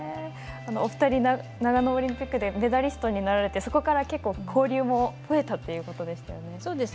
お二人長野オリンピックでメダリストになられてそこから結構、交流も増えたということでしたよね。